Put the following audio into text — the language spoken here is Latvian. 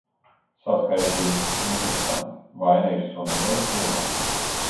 Saskaitīju. Interesanti – vaina ir sunī vai sievā?